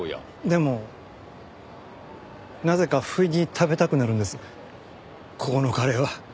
でもなぜかふいに食べたくなるんですここのカレーは。